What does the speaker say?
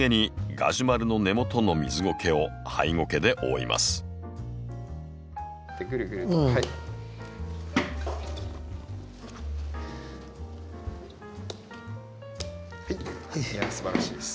いやすばらしいです。